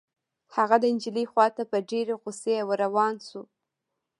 هغه د نجلۍ خوا ته په ډېرې غصې ور روان شو.